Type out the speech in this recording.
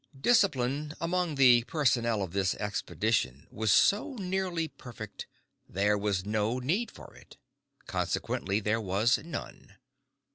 Discipline among the personnel of this expedition was so nearly perfect there was no need for it. Consequently there was none.